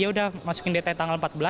ya udah masukin dtn tanggal empat belas